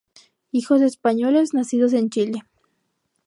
Hijo de españoles nacido en Chile.